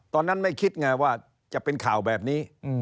ตอนนั้นไม่คิดไงว่าจะเป็นข่าวแบบนี้